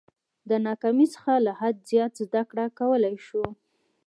د ناکامۍ څخه له حده زیات زده کولای شو.